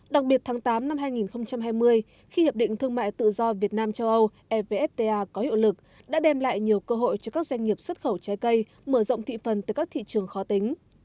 đặc biệt tháng tám năm hai nghìn hai mươi khi hiệp định thương mại tự do việt nam châu âu evfta có hiệu lực đã đem lại nhiều cơ hội cho các doanh nghiệp xuất khẩu trái cây mở rộng thị phần từ các thị trường khó tính